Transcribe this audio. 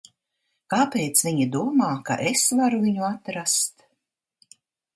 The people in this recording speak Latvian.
Kāpēc viņi domā, ka es varu viņu atrast?